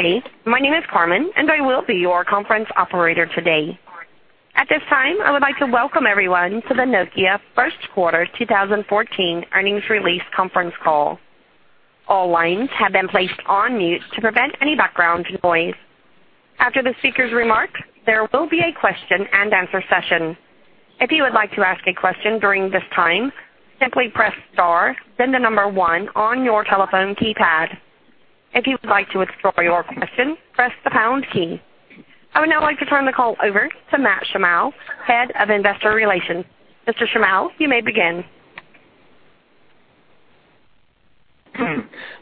Good day. My name is Carmen, and I will be your conference operator today. At this time, I would like to welcome everyone to the Nokia First Quarter 2014 earnings release conference call. All lines have been placed on mute to prevent any background noise. After the speaker's remarks, there will be a question-and-answer session. If you would like to ask a question during this time, simply press star, then the number one on your telephone keypad. If you would like to withdraw your question, press the pound key. I would now like to turn the call over to Matt Shimao, Head of Investor Relations. Mr. Shimao, you may begin.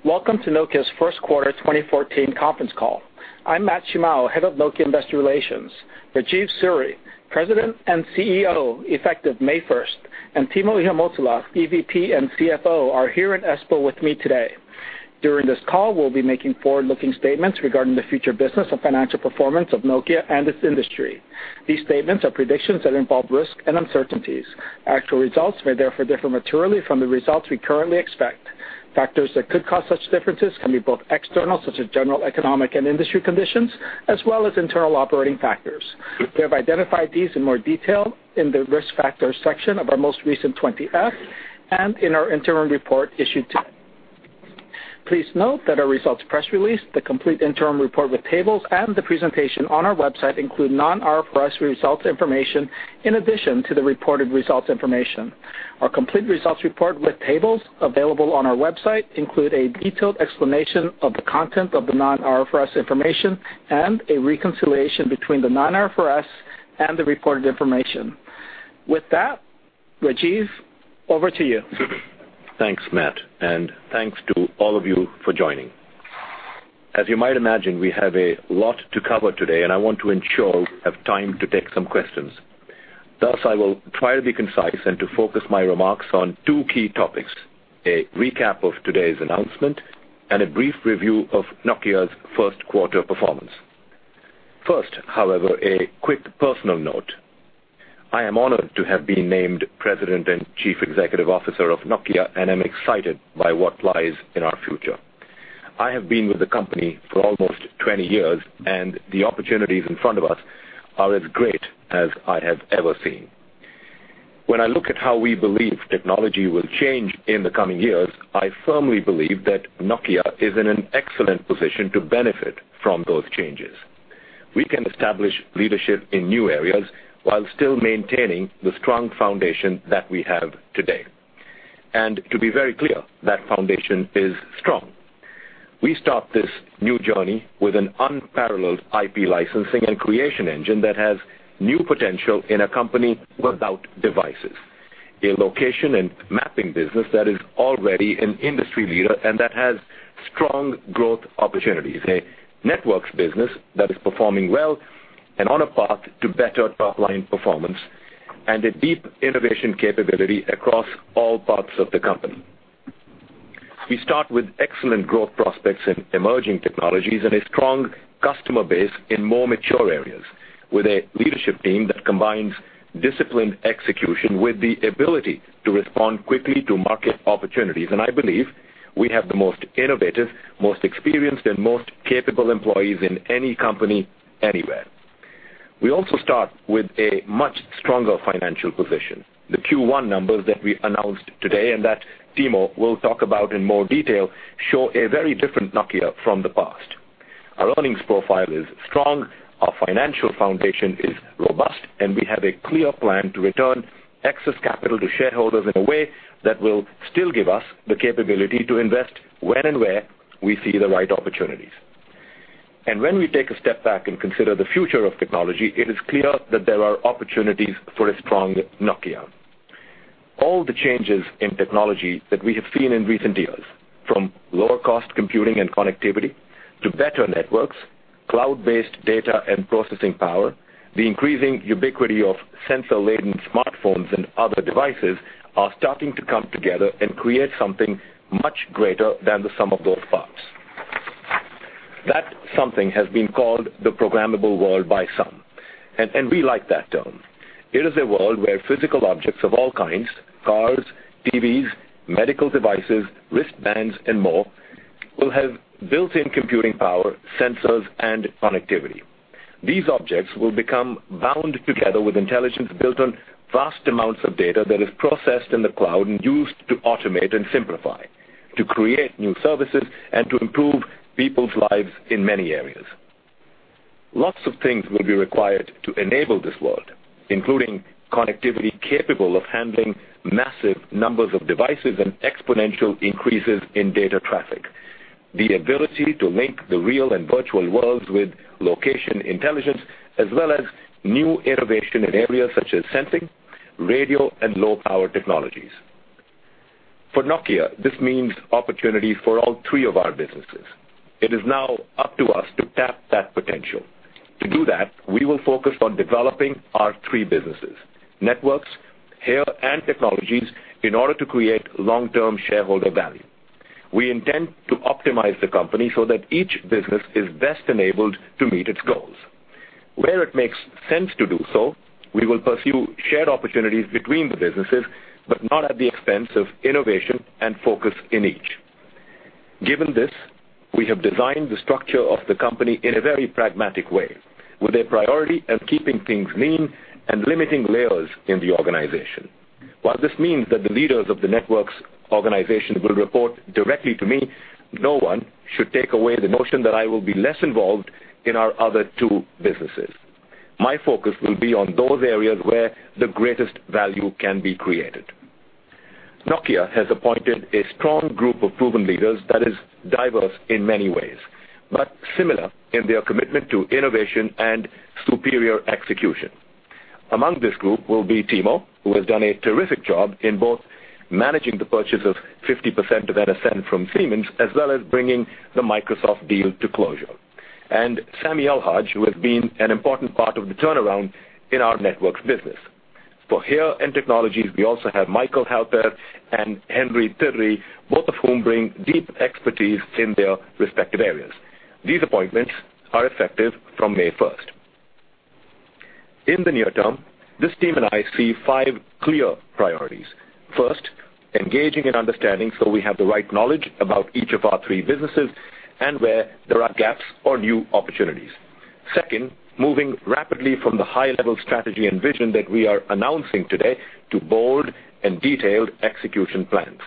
Welcome to Nokia's first quarter 2014 conference call. I'm Matt Shimao, Head of Nokia Investor Relations. Rajeev Suri, President and CEO, effective May 1, and Timo Ihamuotila, EVP and CFO, are here in Espoo with me today. During this call, we'll be making forward-looking statements regarding the future business and financial performance of Nokia and its industry. These statements are predictions that involve risk and uncertainties. Actual results may therefore differ materially from the results we currently expect. Factors that could cause such differences can be both external, such as general economic and industry conditions, as well as internal operating factors. We have identified these in more detail in the risk factors section of our most recent 20-F and in our interim report issued today. Please note that our results press release, the complete interim report with tables, and the presentation on our website include non-IFRS results information in addition to the reported results information. Our complete results report with tables available on our website include a detailed explanation of the content of the non-IFRS information and a reconciliation between the non-IFRS and the reported information. With that, Rajeev, over to you. Thanks, Matt, and thanks to all of you for joining. As you might imagine, we have a lot to cover today, and I want to ensure we have time to take some questions. Thus, I will try to be concise and to focus my remarks on two key topics: a recap of today's announcement and a brief review of Nokia's first quarter performance. First, however, a quick personal note. I am honored to have been named President and Chief Executive Officer of Nokia, and I'm excited by what lies in our future. I have been with the company for almost 20 years, and the opportunities in front of us are as great as I have ever seen. When I look at how we believe technology will change in the coming years, I firmly believe that Nokia is in an excellent position to benefit from those changes. We can establish leadership in new areas while still maintaining the strong foundation that we have today. And to be very clear, that foundation is strong. We start this new journey with an unparalleled IP licensing and creation engine that has new potential in a company without devices, a location and mapping business that is already an industry leader and that has strong growth opportunities, a networks business that is performing well and on a path to better top-line performance, and a deep innovation capability across all parts of the company. We start with excellent growth prospects in emerging technologies and a strong customer base in more mature areas, with a leadership team that combines disciplined execution with the ability to respond quickly to market opportunities. And I believe we have the most innovative, most experienced, and most capable employees in any company, anywhere. We also start with a much stronger financial position. The Q1 numbers that we announced today, and that Timo will talk about in more detail, show a very different Nokia from the past. Our earnings profile is strong, our financial foundation is robust, and we have a clear plan to return excess capital to shareholders in a way that will still give us the capability to invest when and where we see the right opportunities. When we take a step back and consider the future of technology, it is clear that there are opportunities for a strong Nokia. All the changes in technology that we have seen in recent years, from lower-cost computing and connectivity to better networks, cloud-based data and processing power, the increasing ubiquity of sensor-laden smartphones and other devices, are starting to come together and create something much greater than the sum of those parts. That something has been called the Programmable World by some, and we like that term. It is a world where physical objects of all kinds, cars, TVs, medical devices, wristbands, and more, will have built-in computing power, sensors, and connectivity. These objects will become bound together with intelligence built on vast amounts of data that is processed in the cloud and used to automate and simplify, to create new services and to improve people's lives in many areas. Lots of things will be required to enable this world, including connectivity capable of handling massive numbers of devices and exponential increases in data traffic, the ability to link the real and virtual worlds with location intelligence, as well as new innovation in areas such as sensing, radio, and low-power technologies. For Nokia, this means opportunity for all three of our businesses. It is now up to us to tap that potential. To do that, we will focus on developing our three businesses, Networks, HERE, and Technologies, in order to create long-term shareholder value. We intend to optimize the company so that each business is best enabled to meet its goals… where it makes sense to do so, we will pursue shared opportunities between the businesses, but not at the expense of innovation and focus in each. Given this, we have designed the structure of the company in a very pragmatic way, with a priority of keeping things lean and limiting layers in the organization. While this means that the leaders of the Networks organization will report directly to me, no one should take away the notion that I will be less involved in our other two businesses. My focus will be on those areas where the greatest value can be created. Nokia has appointed a strong group of proven leaders that is diverse in many ways, but similar in their commitment to innovation and superior execution. Among this group will be Timo, who has done a terrific job in both managing the purchase of 50% of NSN from Siemens, as well as bringing the Microsoft deal to closure. Samy Elhage, who has been an important part of the turnaround in our networks business. For HERE, Technologies, we also have Michael Halbherr and Henry Tirri, both of whom bring deep expertise in their respective areas. These appointments are effective from May first. In the near term, this team and I see five clear priorities. First, engaging and understanding, so we have the right knowledge about each of our three businesses and where there are gaps or new opportunities. Second, moving rapidly from the high-level strategy and vision that we are announcing today to bold and detailed execution plans.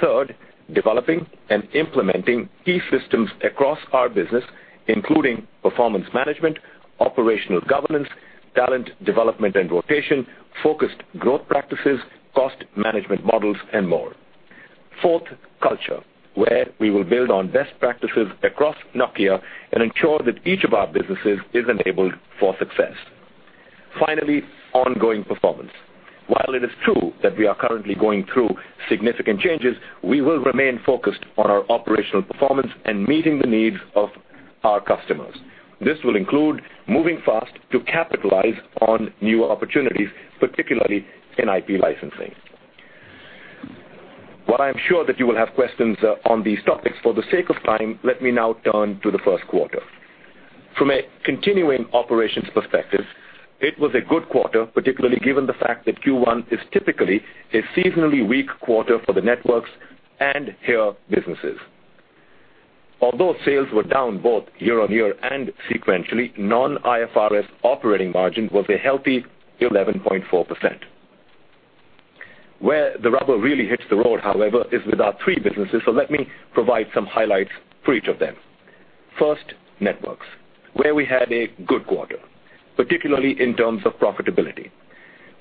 Third, developing and implementing key systems across our business, including performance management, operational governance, talent development and rotation, focused growth practices, cost management models, and more. Fourth, culture, where we will build on best practices across Nokia and ensure that each of our businesses is enabled for success. Finally, ongoing performance. While it is true that we are currently going through significant changes, we will remain focused on our operational performance and meeting the needs of our customers. This will include moving fast to capitalize on new opportunities, particularly in IP licensing. While I am sure that you will have questions on these topics, for the sake of time, let me now turn to the first quarter. From a continuing operations perspective, it was a good quarter, particularly given the fact that Q1 is typically a seasonally weak quarter for the Networks and HERE businesses. Although sales were down both year-on-year and sequentially, non-IFRS operating margin was a healthy 11.4%. Where the rubber really hits the road, however, is with our three businesses, so let me provide some highlights for each of them. First, Networks, where we had a good quarter, particularly in terms of profitability.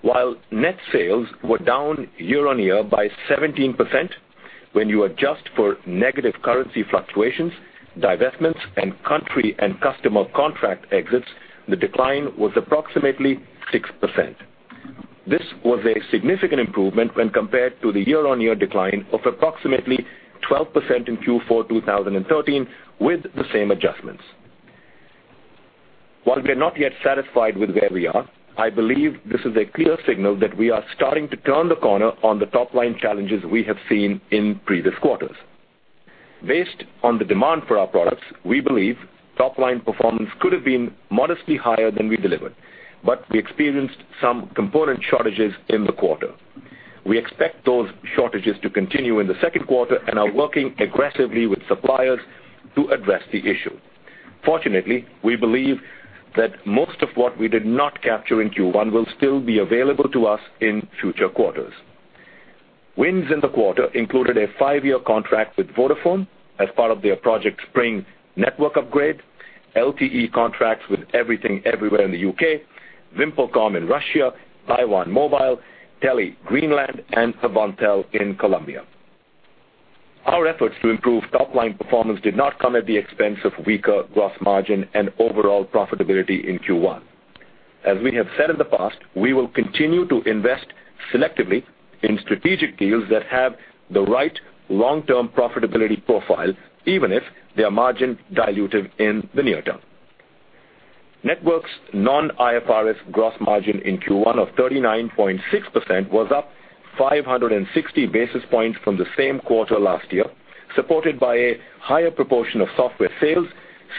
While net sales were down year-on-year by 17%, when you adjust for negative currency fluctuations, divestments, and country and customer contract exits, the decline was approximately 6%. This was a significant improvement when compared to the year-on-year decline of approximately 12% in Q4 2013 with the same adjustments. While we are not yet satisfied with where we are, I believe this is a clear signal that we are starting to turn the corner on the top-line challenges we have seen in previous quarters. Based on the demand for our products, we believe top-line performance could have been modestly higher than we delivered, but we experienced some component shortages in the quarter. We expect those shortages to continue in the second quarter and are working aggressively with suppliers to address the issue. Fortunately, we believe that most of what we did not capture in Q1 will still be available to us in future quarters. Wins in the quarter included a five-year contract with Vodafone as part of their Project Sprint network upgrade, LTE contracts with Everything Everywhere in the U.K., VimpelCom in Russia, Taiwan Mobile, Tele Greenland, and Movistar in Colombia. Our efforts to improve top-line performance did not come at the expense of weaker gross margin and overall profitability in Q1. As we have said in the past, we will continue to invest selectively in strategic deals that have the right long-term profitability profile, even if they are margin dilutive in the near term. Networks Non-IFRS gross margin in Q1 of 39.6% was up 560 basis points from the same quarter last year, supported by a higher proportion of software sales,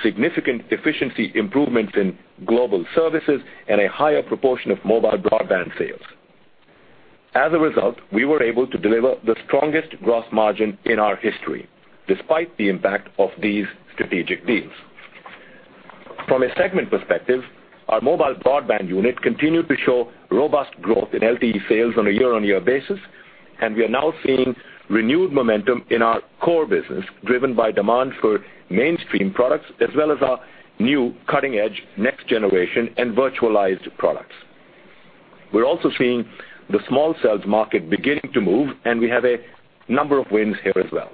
significant efficiency improvements in global services, and a higher proportion of mobile broadband sales. As a result, we were able to deliver the strongest gross margin in our history, despite the impact of these strategic deals. From a segment perspective, our mobile broadband unit continued to show robust growth in LTE sales on a year-over-year basis, and we are now seeing renewed momentum in our core business, driven by demand for mainstream products, as well as our new cutting-edge, next generation, and virtualized products. We're also seeing the small cells market beginning to move, and we have a number of wins here as well.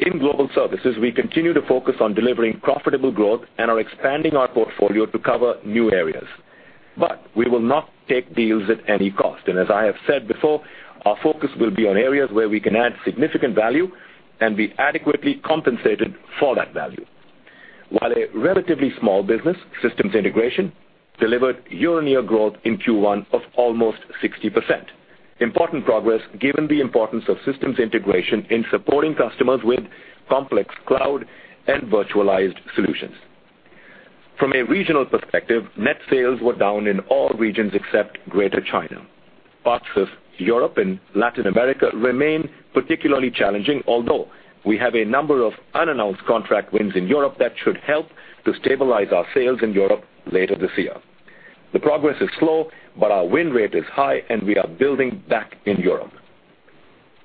In global services, we continue to focus on delivering profitable growth and are expanding our portfolio to cover new areas. But we will not take deals at any cost. And as I have said before, our focus will be on areas where we can add significant value and be adequately compensated for that value. While a relatively small business, systems integration, delivered year-over-year growth in Q1 of almost 60%. important progress, given the importance of systems integration in supporting customers with complex cloud and virtualized solutions. From a regional perspective, net sales were down in all regions except Greater China. Parts of Europe and Latin America remain particularly challenging, although we have a number of unannounced contract wins in Europe that should help to stabilize our sales in Europe later this year. The progress is slow, but our win rate is high, and we are building back in Europe.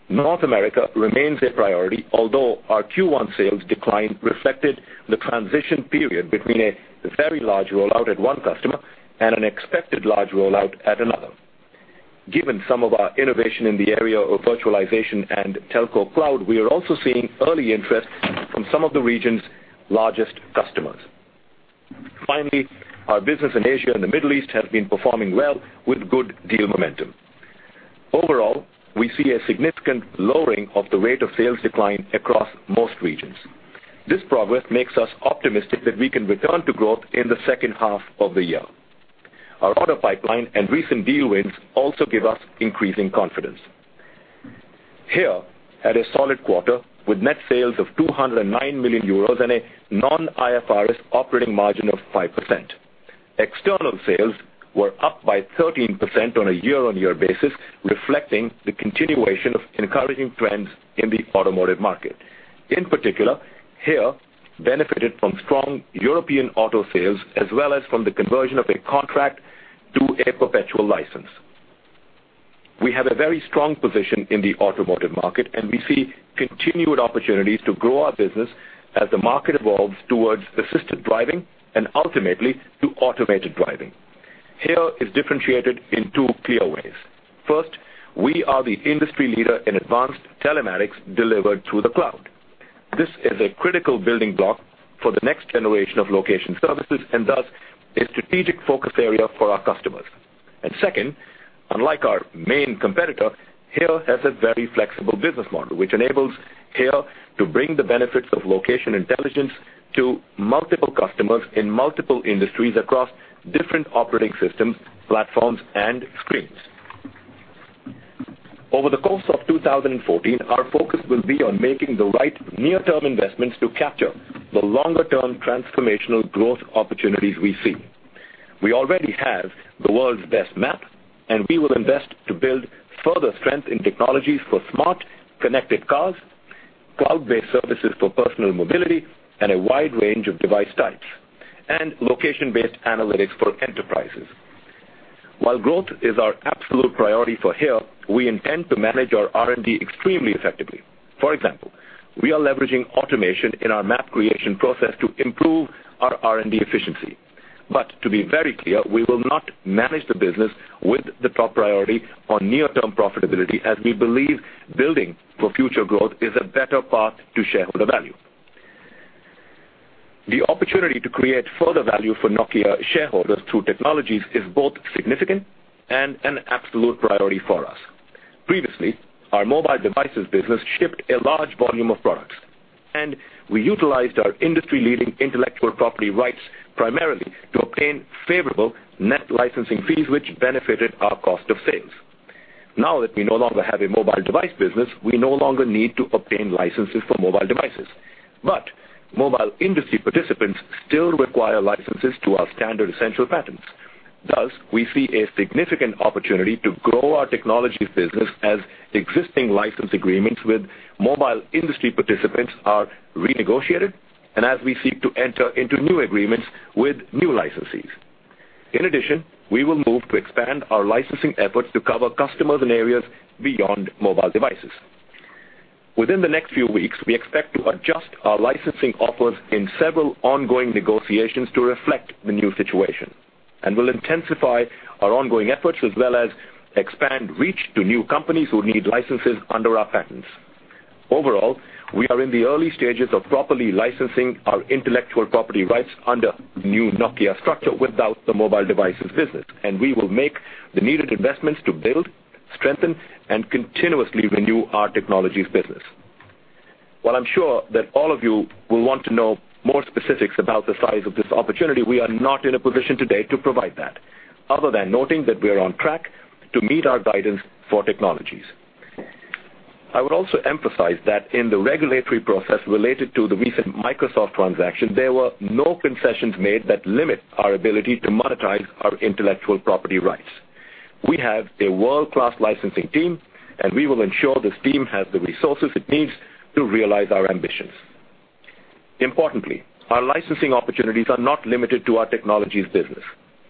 North America remains a priority, although our Q1 sales decline reflected the transition period between a very large rollout at one customer and an expected large rollout at another. Given some of our innovation in the area of virtualization and Telco cloud, we are also seeing early interest from some of the region's largest customers. Finally, our business in Asia and the Middle East has been performing well with good deal momentum. Overall, we see a significant lowering of the rate of sales decline across most regions. This progress makes us optimistic that we can return to growth in the second half of the year. Our order pipeline and recent deal wins also give us increasing confidence. HERE had a solid quarter, with net sales of 209 million euros and a non-IFRS operating margin of 5%. External sales were up by 13% on a year-on-year basis, reflecting the continuation of encouraging trends in the automotive market. In particular, HERE benefited from strong European auto sales as well as from the conversion of a contract to a perpetual license. We have a very strong position in the automotive market, and we see continued opportunities to grow our business as the market evolves towards assisted driving and ultimately, to automated driving. HERE is differentiated in two clear ways. First, we are the industry leader in advanced telematics delivered through the cloud. This is a critical building block for the next generation of location services and thus, a strategic focus area for our customers. And second, unlike our main competitor, HERE has a very flexible business model, which enables HERE to bring the benefits of location intelligence to multiple customers in multiple industries across different operating systems, platforms, and screens. Over the course of 2014, our focus will be on making the right near-term investments to capture the longer-term transformational growth opportunities we see. We already have the world's best map, and we will invest to build further strength in technologies for smart, connected cars, cloud-based services for personal mobility, and a wide range of device types, and location-based analytics for enterprises. While growth is our absolute priority for HERE, we intend to manage our R&D extremely effectively. For example, we are leveraging automation in our map creation process to improve our R&D efficiency. But to be very clear, we will not manage the business with the top priority on near-term profitability, as we believe building for future growth is a better path to shareholder value. The opportunity to create further value for Nokia shareholders through technologies is both significant and an absolute priority for us. Previously, our mobile devices business shipped a large volume of products, and we utilized our industry-leading intellectual property rights primarily to obtain favorable net licensing fees, which benefited our cost of sales. Now that we no longer have a mobile device business, we no longer need to obtain licenses for mobile devices. But mobile industry participants still require licenses to our standard essential patents. Thus, we see a significant opportunity to grow our technologies business as existing license agreements with mobile industry participants are renegotiated and as we seek to enter into new agreements with new licensees. In addition, we will move to expand our licensing efforts to cover customers in areas beyond mobile devices. Within the next few weeks, we expect to adjust our licensing offers in several ongoing negotiations to reflect the new situation, and we'll intensify our ongoing efforts as well as expand reach to new companies who need licenses under our patents. Overall, we are in the early stages of properly licensing our intellectual property rights under the new Nokia structure without the mobile devices business, and we will make the needed investments to build, strengthen, and continuously renew our technologies business. While I'm sure that all of you will want to know more specifics about the size of this opportunity, we are not in a position today to provide that, other than noting that we are on track to meet our guidance for technologies. I would also emphasize that in the regulatory process related to the recent Microsoft transaction, there were no concessions made that limit our ability to monetize our intellectual property rights. We have a world-class licensing team, and we will ensure this team has the resources it needs to realize our ambitions. Importantly, our licensing opportunities are not limited to our technologies business.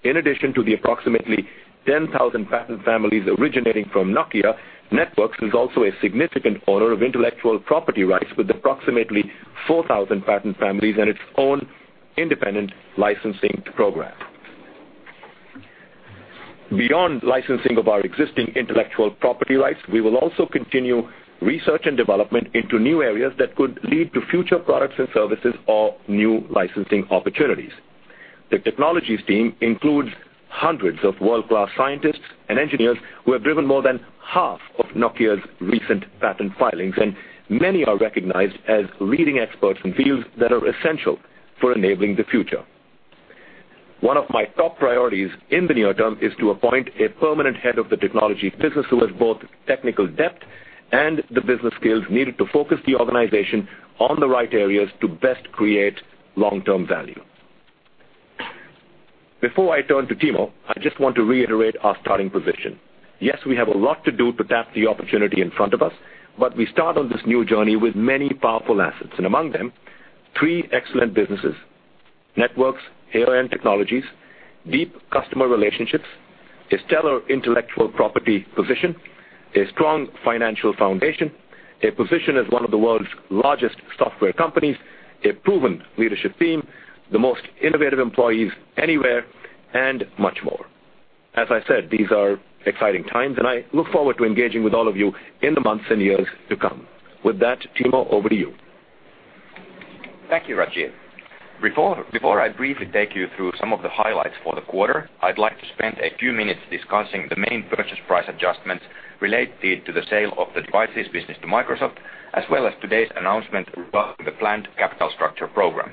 In addition to the approximately 10,000 patent families originating from Nokia Networks, Networks is also a significant owner of intellectual property rights, with approximately 4,000 patent families and its own independent licensing program. Beyond licensing of our existing intellectual property rights, we will also continue research and development into new areas that could lead to future products and services or new licensing opportunities. The technologies team includes hundreds of world-class scientists and engineers who have driven more than half of Nokia's recent patent filings, and many are recognized as leading experts in fields that are essential for enabling the future. One of my top priorities in the near term is to appoint a permanent head of the technology business, who has both technical depth and the business skills needed to focus the organization on the right areas to best create long-term value. Before I turn to Timo, I just want to reiterate our starting position. Yes, we have a lot to do to tap the opportunity in front of us, but we start on this new journey with many powerful assets, and among them, three excellent businesses, networks, HERE, Technologies, deep customer relationships, a stellar intellectual property position, a strong financial foundation, a position as one of the world's largest software companies, a proven leadership team, the most innovative employees anywhere, and much more. As I said, these are exciting times, and I look forward to engaging with all of you in the months and years to come. With that, Timo, over to you. Thank you, Rajeev. Before I briefly take you through some of the highlights for the quarter, I'd like to spend a few minutes discussing the main purchase price adjustments related to the sale of the Devices business to Microsoft, as well as today's announcement regarding the planned capital structure program.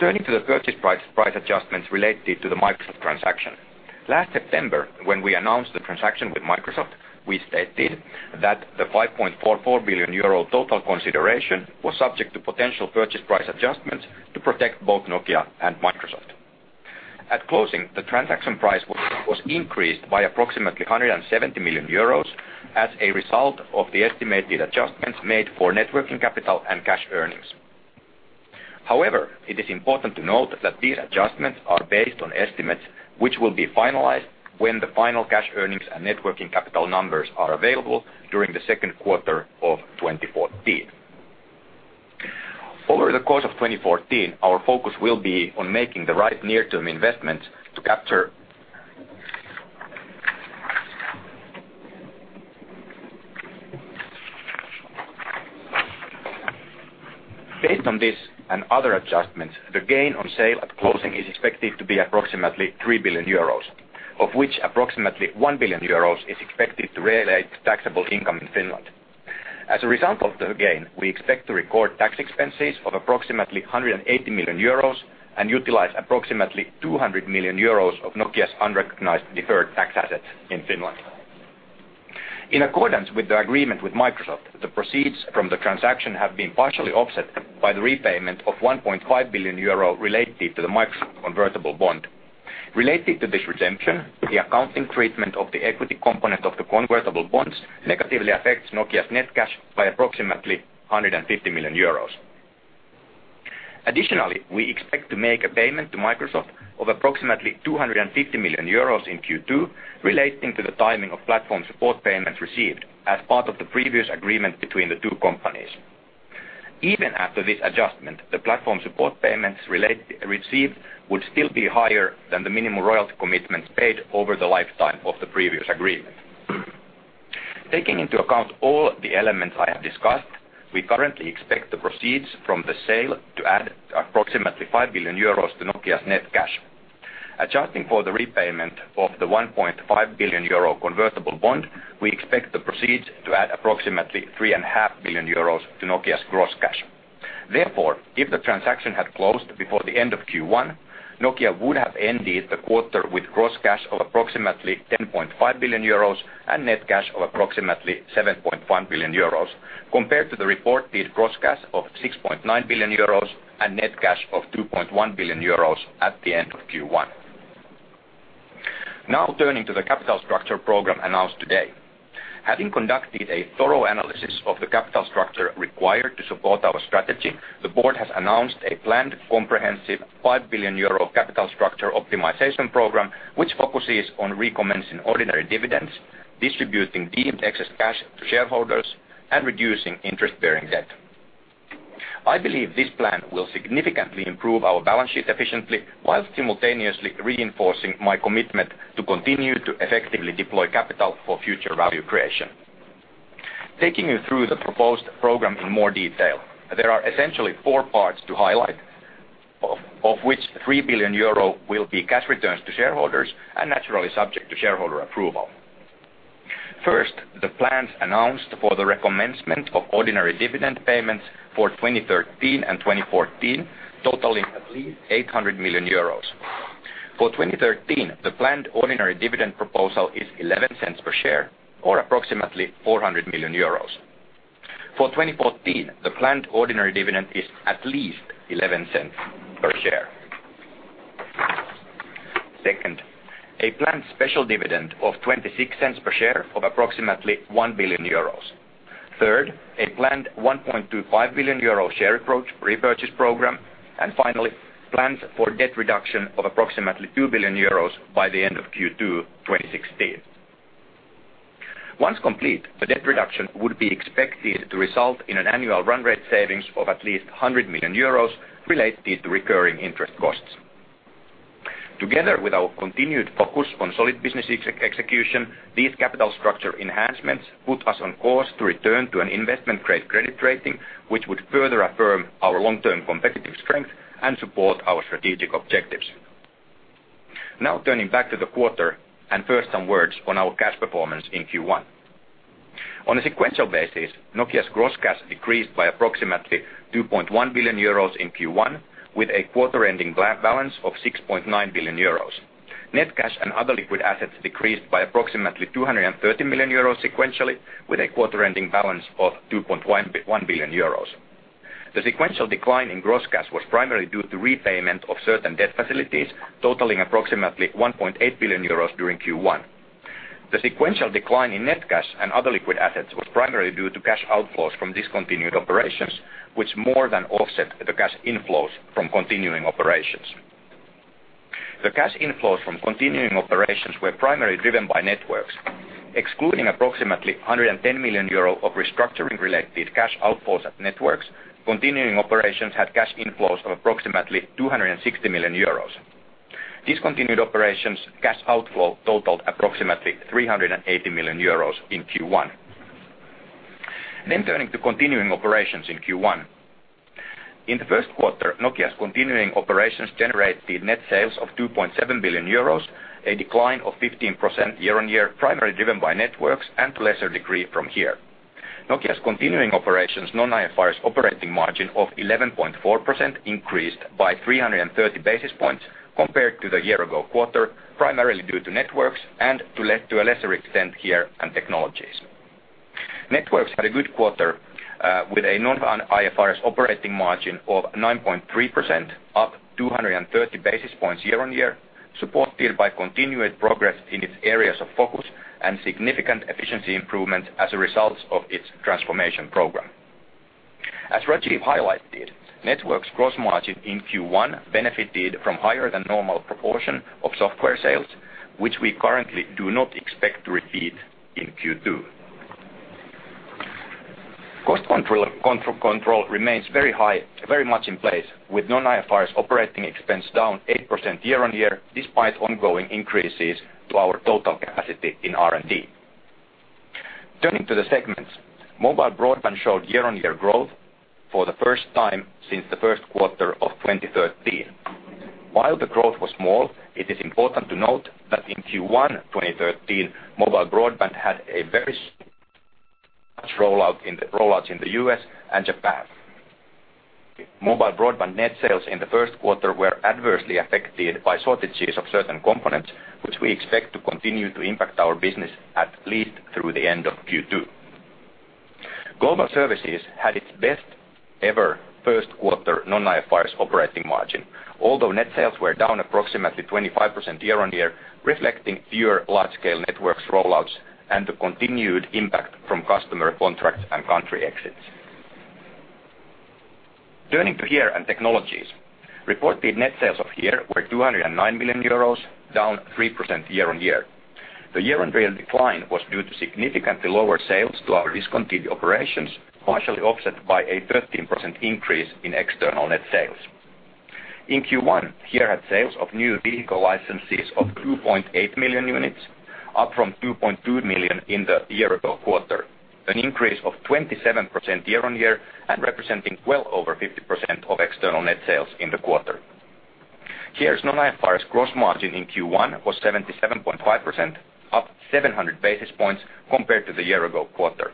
Turning to the purchase price adjustments related to the Microsoft transaction. Last September, when we announced the transaction with Microsoft, we stated that the 5.44 billion euro total consideration was subject to potential purchase price adjustments to protect both Nokia and Microsoft. At closing, the transaction price was increased by approximately 170 million euros as a result of the estimated adjustments made for net working capital and cash earnings. However, it is important to note that these adjustments are based on estimates, which will be finalized when the final cash earnings and net working capital numbers are available during the second quarter of 2014. Over the course of 2014, our focus will be on making the right near-term investments to capture. Based on this and other adjustments, the gain on sale at closing is expected to be approximately 3 billion euros, of which approximately 1 billion euros is expected to relate to taxable income in Finland. As a result of the gain, we expect to record tax expenses of approximately 180 million euros and utilize approximately 200 million euros of Nokia's unrecognized deferred tax assets in Finland. In accordance with the agreement with Microsoft, the proceeds from the transaction have been partially offset by the repayment of 1.5 billion euro related to the Microsoft convertible bond. Related to this redemption, the accounting treatment of the equity component of the convertible bonds negatively affects Nokia's net cash by approximately 150 million euros. Additionally, we expect to make a payment to Microsoft of approximately 250 million euros in Q2, relating to the timing of platform support payments received as part of the previous agreement between the two companies. Even after this adjustment, the platform support payments received would still be higher than the minimum royalty commitments paid over the lifetime of the previous agreement. Taking into account all the elements I have discussed, we currently expect the proceeds from the sale to add approximately 5 billion euros to Nokia's net cash. Adjusting for the repayment of the 1.5 billion euro convertible bond, we expect the proceeds to add approximately 3.5 billion euros to Nokia's gross cash. Therefore, if the transaction had closed before the end of Q1, Nokia would have ended the quarter with gross cash of approximately 10.5 billion euros and net cash of approximately 7.1 billion euros, compared to the reported gross cash of 6.9 billion euros and net cash of 2.1 billion euros at the end of Q1. Now, turning to the capital structure program announced today. Having conducted a thorough analysis of the capital structure required to support our strategy, the board has announced a planned comprehensive 5 billion euro capital structure optimization program, which focuses on recommencing ordinary dividends, distributing deemed excess cash to shareholders, and reducing interest-bearing debt. I believe this plan will significantly improve our balance sheet efficiently, while simultaneously reinforcing my commitment to continue to effectively deploy capital for future value creation. Taking you through the proposed program in more detail, there are essentially four parts to highlight, of which 3 billion euro will be cash returns to shareholders and naturally subject to shareholder approval. First, the plans announced for the commencement of ordinary dividend payments for 2013 and 2014, totaling at least 800 million euros. For 2013, the planned ordinary dividend proposal is 0.11 per share, or approximately 400 million euros. For 2014, the planned ordinary dividend is at least 0.11 per share. Second, a planned special dividend of 0.26 per share of approximately 1 billion euros. Third, a planned 1.25 billion euro share repurchase program. And finally, plans for debt reduction of approximately 2 billion euros by the end of Q2 2016. Once complete, the debt reduction would be expected to result in an annual run rate savings of at least 100 million euros related to recurring interest costs. Together with our continued focus on solid business execution, these capital structure enhancements put us on course to return to an investment-grade credit rating, which would further affirm our long-term competitive strength and support our strategic objectives. Now, turning back to the quarter, and first some words on our cash performance in Q1. On a sequential basis, Nokia's gross cash decreased by approximately 2.1 billion euros in Q1, with a quarter-ending balance of 6.9 billion euros. Net cash and other liquid assets decreased by approximately 230 million euros sequentially, with a quarter-ending balance of 2.11 billion euros. The sequential decline in gross cash was primarily due to repayment of certain debt facilities, totaling approximately 1.8 billion euros during Q1. The sequential decline in net cash and other liquid assets was primarily due to cash outflows from discontinued operations, which more than offset the cash inflows from continuing operations. The cash inflows from continuing operations were primarily driven by networks, excluding approximately 110 million euro of restructuring-related cash outflows at networks. Continuing operations had cash inflows of approximately 260 million euros. Discontinued operations cash outflow totaled approximately 380 million euros in Q1. Then turning to continuing operations in Q1. In the first quarter, Nokia's continuing operations generated net sales of 2.7 billion euros, a decline of 15% year-on-year, primarily driven by Networks and to a lesser degree from HERE. Nokia's continuing operations non-IFRS operating margin of 11.4% increased by 330 basis points compared to the year ago quarter, primarily due to Networks and to a lesser extent, HERE and Technologies. Networks had a good quarter, with a non-IFRS operating margin of 9.3%, up 230 basis points year-on-year, supported by continued progress in its areas of focus and significant efficiency improvement as a result of its transformation program. As Rajeev highlighted, Networks gross margin in Q1 benefited from higher than normal proportion of software sales, which we currently do not expect to repeat in Q2. Cost control, control, control remains very high, very much in place, with non-IFRS operating expense down 8% year-on-year, despite ongoing increases to our total capacity in R&D. Turning to the segments, mobile broadband showed year-on-year growth for the first time since the first quarter of 2013. While the growth was small, it is important to note that in Q1 2013, mobile broadband had rollouts in the U.S. and Japan. Mobile broadband net sales in the first quarter were adversely affected by shortages of certain components, which we expect to continue to impact our business at least through the end of Q2. Global services had its best ever first quarter non-IFRS operating margin, although net sales were down approximately 25% year-on-year, reflecting fewer large-scale networks rollouts and the continued impact from customer contracts and country exits. Turning to HERE and technologies. Reported net sales of HERE were 209 million euros, down 3% year-on-year. The year-on-year decline was due to significantly lower sales to our discontinued operations, partially offset by a 13% increase in external net sales. In Q1, HERE had sales of new vehicle licenses of 2.8 million units, up from 2.2 million in the year ago quarter, an increase of 27% year-on-year, and representing well over 50% of external net sales in the quarter. HERE's non-IFRS gross margin in Q1 was 77.5%, up 700 basis points compared to the year ago quarter.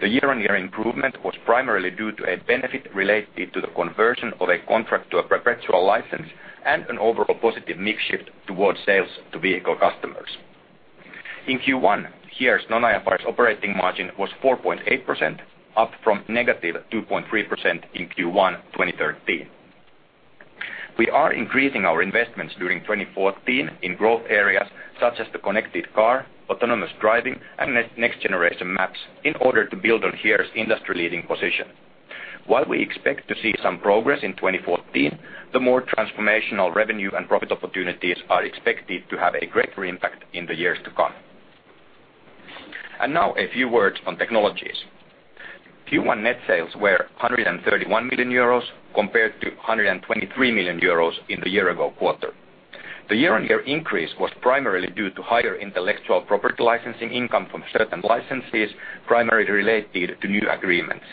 The year-on-year improvement was primarily due to a benefit related to the conversion of a contract to a perpetual license, and an overall positive mix shift towards sales to vehicle customers. In Q1, HERE's Non-IFRS operating margin was 4.8%, up from -2.3% in Q1 2013. We are increasing our investments during 2014 in growth areas such as the connected car, autonomous driving, and next generation maps in order to build on HERE's industry-leading position. While we expect to see some progress in 2014, the more transformational revenue and profit opportunities are expected to have a greater impact in the years to come. And now a few words on technologies. Q1 net sales were 131 million euros, compared to 123 million euros in the year-ago quarter. The year-on-year increase was primarily due to higher intellectual property licensing income from certain licensees, primarily related to new agreements.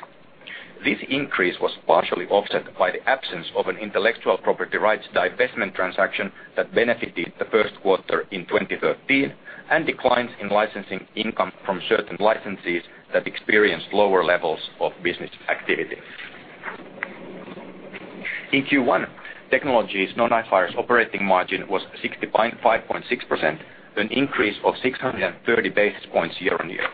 This increase was partially offset by the absence of an intellectual property rights divestment transaction that benefited the first quarter in 2013 and declines in licensing income from certain licensees that experienced lower levels of business activity. In Q1, Technologies non-IFRS operating margin was 65.6%, an increase of 630 basis points year-on-year.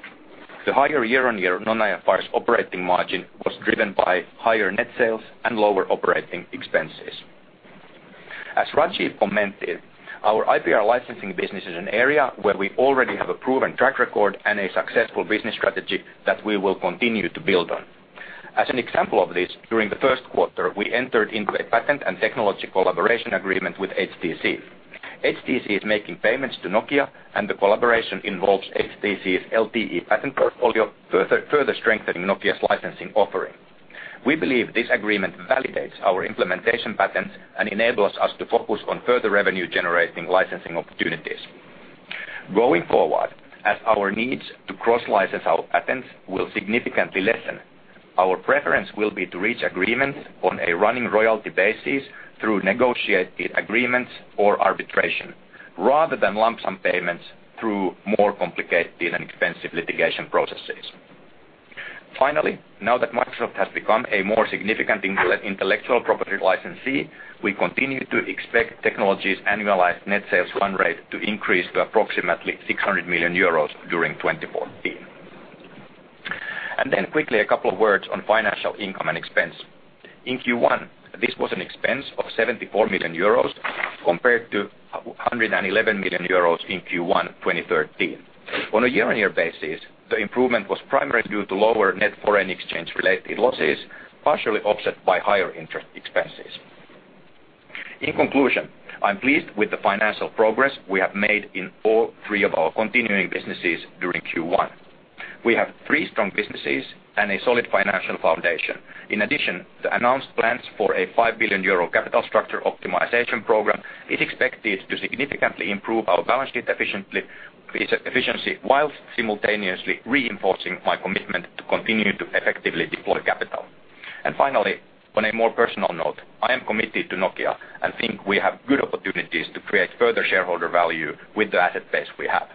The higher year-on-year non-IFRS operating margin was driven by higher net sales and lower operating expenses. As Rajeev commented, our IPR licensing business is an area where we already have a proven track record and a successful business strategy that we will continue to build on. As an example of this, during the first quarter, we entered into a patent and technology collaboration agreement with HTC. HTC is making payments to Nokia, and the collaboration involves HTC's LTE patent portfolio, further strengthening Nokia's licensing offering. We believe this agreement validates our implementation patents and enables us to focus on further revenue-generating licensing opportunities. Going forward, as our needs to cross-license our patents will significantly lessen. Our preference will be to reach agreement on a running royalty basis through negotiated agreements or arbitration, rather than lump sum payments through more complicated and expensive litigation processes. Finally, now that Microsoft has become a more significant intellectual property licensee, we continue to expect technologies annualized net sales run rate to increase to approximately 600 million euros during 2014. Then quickly, a couple of words on financial income and expense. In Q1, this was an expense of 74 million euros compared to 111 million euros in Q1 2013. On a year-on-year basis, the improvement was primarily due to lower net foreign exchange related losses, partially offset by higher interest expenses. In conclusion, I'm pleased with the financial progress we have made in all three of our continuing businesses during Q1. We have three strong businesses and a solid financial foundation. In addition, the announced plans for a 5 billion euro capital structure optimization program is expected to significantly improve our balance sheet efficiency whilst simultaneously reinforcing my commitment to continue to effectively deploy capital. Finally, on a more personal note, I am committed to Nokia and think we have good opportunities to create further shareholder value with the asset base we have.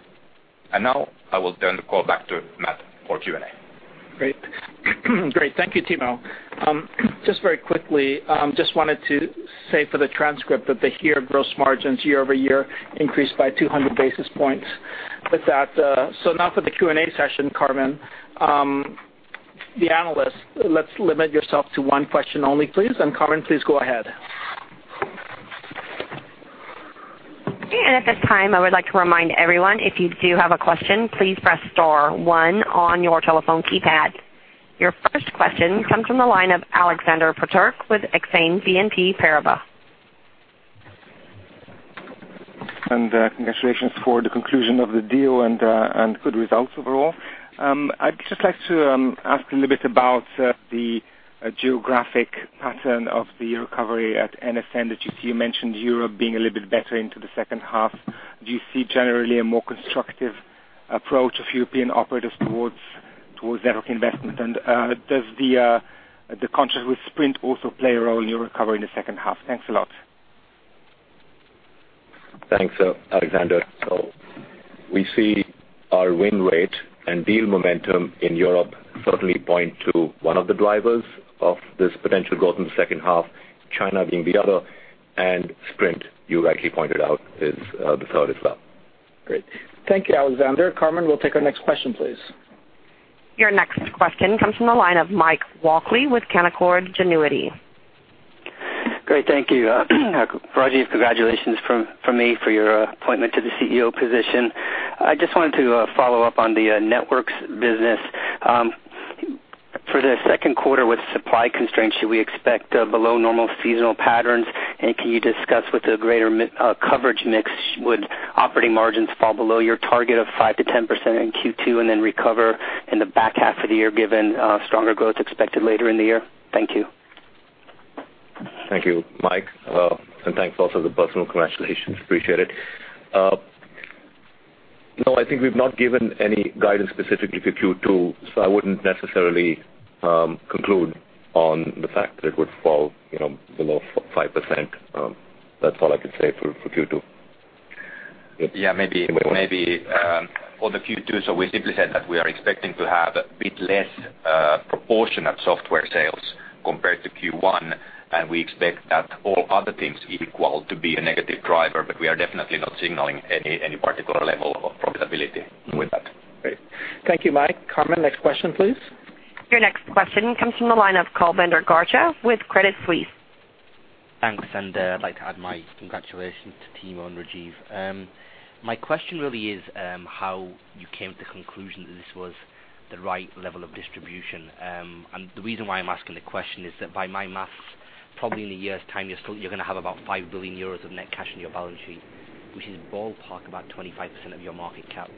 Now I will turn the call back to Matt for Q&A. Great. Great. Thank you, Timo. Just very quickly, just wanted to say for the transcript that the HERE gross margins year-over-year increased by 200 basis points. With that, now for the Q&A session, Carmen. The analysts, let's limit yourself to one question only, please. And Carmen, please go ahead. At this time, I would like to remind everyone, if you do have a question, please press star one on your telephone keypad. Your first question comes from the line of Alexander Peterc with Exane BNP Paribas. And, congratulations for the conclusion of the deal and, and good results overall. I'd just like to ask a little bit about the geographic pattern of the recovery at NSN, that you, you mentioned Europe being a little bit better into the second half. Do you see generally a more constructive approach of European operators towards, towards network investment? And, does the, the contract with Sprint also play a role in your recovery in the second half? Thanks a lot. Thanks, Alexander. So we see our win rate and deal momentum in Europe certainly point to one of the drivers of this potential growth in the second half, China being the other, and Sprint, you rightly pointed out, is the third as well. Great. Thank you, Alexander. Carmen, we'll take our next question, please. Your next question comes from the line of Mike Walkley with Canaccord Genuity. Great, thank you. Rajeev, congratulations from me for your appointment to the CEO position. I just wanted to follow up on the networks business. For the second quarter with supply constraints, should we expect below normal seasonal patents? And can you discuss with a greater coverage mix, would operating margins fall below your target of 5%-10% in Q2, and then recover in the back half of the year, given stronger growth expected later in the year? Thank you. Thank you, Mike. And thanks also for the personal congratulations. Appreciate it. No, I think we've not given any guidance specifically for Q2, so I wouldn't necessarily conclude on the fact that it would fall, you know, below 5%. That's all I can say for Q2. Yeah, maybe, maybe, for the Q2, so we simply said that we are expecting to have a bit less proportionate software sales compared to Q1, and we expect that all other things equal to be a negative driver, but we are definitely not signaling any, any particular level of profitability with that. Great. Thank you, Mike. Carmen, next question, please. Your next question comes from the line of Kulbinder Garcha with Credit Suisse. Thanks, and I'd like to add my congratulations to Timo and Rajeev. My question really is, how you came to the conclusion that this was the right level of distribution? And the reason why I'm asking the question is that by my math, probably in a year's time, you're still, you're going to have about 5 billion euros of net cash on your balance sheet, which is ballpark about 25% of your market cap.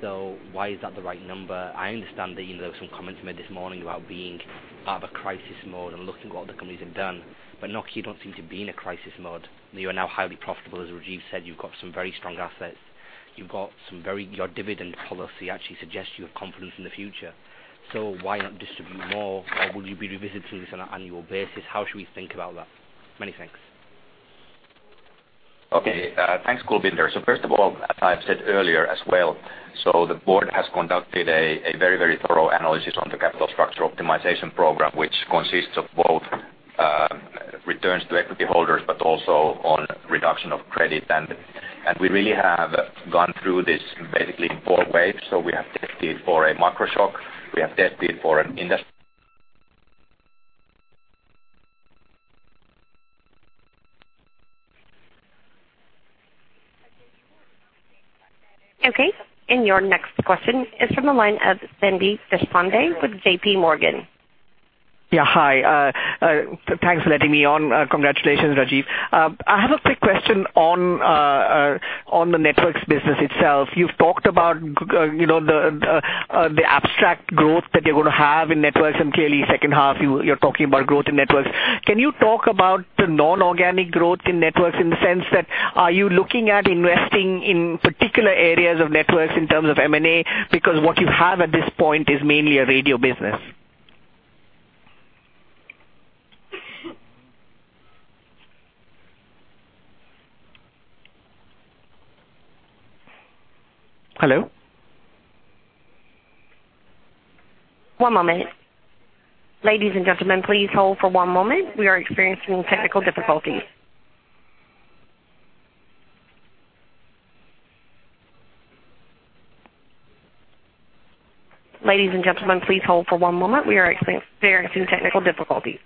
So why is that the right number? I understand that, you know, there were some comments made this morning about being out of a crisis mode and looking at what other companies have done, but Nokia don't seem to be in a crisis mode. You are now highly profitable. As Rajeev said, you've got some very strong assets. You've got some very... Your dividend policy actually suggests you have confidence in the future. Why not distribute more, or will you be revisiting this on an annual basis? How should we think about that? Many thanks. Okay, thanks, Kulbinder. So first of all, as I've said earlier as well, so the board has conducted a very thorough analysis on the capital structure optimization program, which consists of both returns to equity holders, but also on reduction of credit. And we really have gone through this basically in four ways. So we have tested for a microshock, we have tested for an industry- Okay, and your next question is from the line of Sandeep Deshpande with J.P. Morgan. Yeah, hi. Thanks for letting me on. Congratulations, Rajeev. I have a quick question on the networks business itself. You've talked about you know the abstract growth that you're going to have in networks, and clearly, second half, you're talking about growth in networks. Can you talk about the non-organic growth in networks, in the sense that are you looking at investing in particular areas of networks in terms of M&A? Because what you have at this point is mainly a radio business. Hello? One moment. Ladies and gentlemen, please hold for one moment. We are experiencing technical difficulties. Ladies and gentlemen, please hold for one moment. We are experiencing technical difficulties.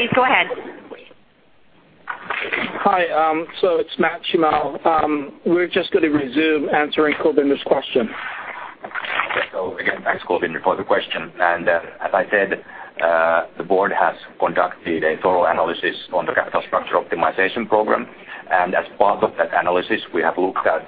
Please go ahead. Hi, it's Matt Shimao. We're just going to resume answering Kulbinder's question. So again, thanks, Kulbinder, for the question. And, as I said, the board has conducted a thorough analysis on the capital structure optimization program, and as part of that analysis, we have looked at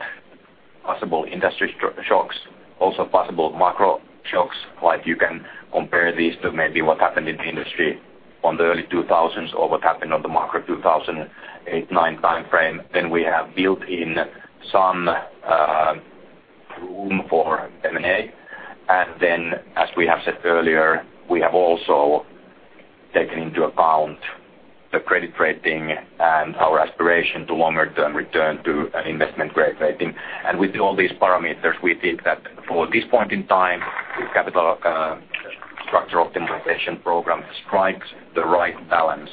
possible industry shocks, also possible macro shocks. Like, you can compare these to maybe what happened in the industry on the early 2000s, or what happened on the macro 2008-2009 timeframe. Then we have built in some room for M&A. And then, as we have said earlier, we have also taken into account the credit rating and our aspiration to longer-term return to an investment-grade rating. And with all these parameters, we think that for this point in time, the capital structure optimization program strikes the right balance,